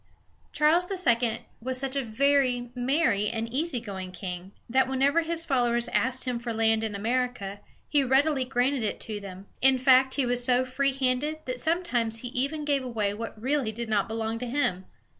Charles II. was such a very merry and easy going king that whenever his followers asked him for land in America, he readily granted it to them. In fact, he was so free handed that sometimes he even gave away what really did not belong to him!